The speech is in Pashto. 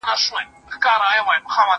دا کتابتون له هغه پاک دی!؟